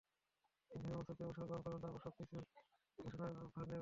তিনি ধনী অবস্থাতেই অবসর গ্রহণ করবেন, তারপর সবকিছুর দেখাশোনার ভার নেব আমি!